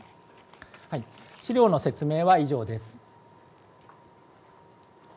資料の説明は以上です。